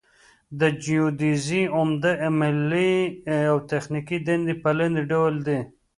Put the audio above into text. د جیودیزي عمده علمي او تخنیکي دندې په لاندې ډول دي